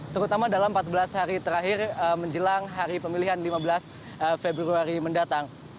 terutama dalam empat belas hari terakhir menjelang hari pemilihan lima belas februari mendatang